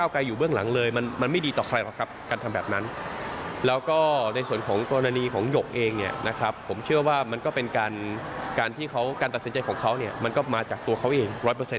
การทำแบบนั้นแล้วก็ในส่วนของกรณีของหยกเองเนี่ยนะครับผมเชื่อว่ามันก็เป็นการการที่เขาการตัดสินใจของเขาเนี่ยมันก็มาจากตัวเขาเอง๑๐๐